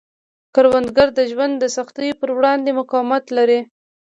کروندګر د ژوند د سختیو پر وړاندې مقاومت لري